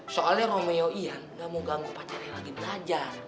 soalnya romeo iya gak mau ganggu pacarnya lagi belajar